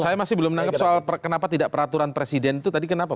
saya masih belum menangkap soal kenapa tidak peraturan presiden itu tadi kenapa